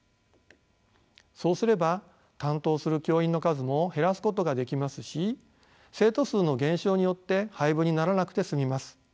そうすれば担当する教員の数も減らすことができますし生徒数の減少によって廃部にならなくて済みます。